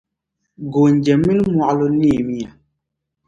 Goonji minii mɔɣilo, neemiya!